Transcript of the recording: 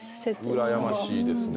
うらやましいですね。